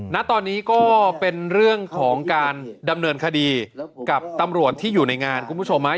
ณตอนนี้ก็เป็นเรื่องของการดำเนินคดีกับตำรวจที่อยู่ในงานคุณผู้ชมฮะ